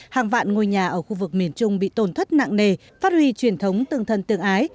hàng vạn ngôi nhà ở khu vực miền trung bị tổn thất nặng nề phát huy truyền thống tương thân tương ái